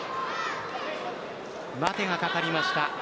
待てがかかりました。